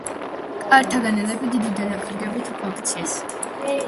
კართაგენელები დიდი დანაკარგებით უკუაქციეს.